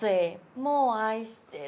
もう愛してる。